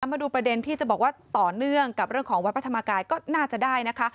มาดูประเด็นที่จะบอกว่าต่อเนื่องกับเรื่องของวัดพระธรรมกายก็น่าจะได้นะคะ